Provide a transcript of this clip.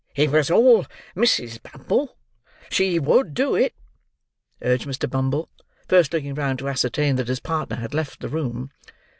"It was all Mrs. Bumble. She would do it," urged Mr. Bumble; first looking round to ascertain that his partner had left the room.